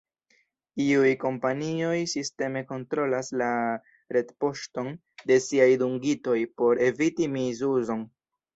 Iuj kompanioj sisteme kontrolas la retpoŝton de siaj dungitoj por eviti misuzon.